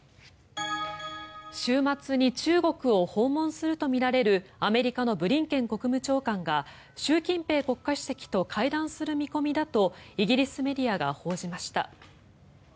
週末に中国を訪問するとみられるアメリカのブリンケン国務長官が習近平国家主席と会談する見込みだとイギリスメディアが報じました。